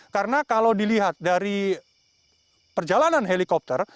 karena kalau dilihat dari perjalanan helikopter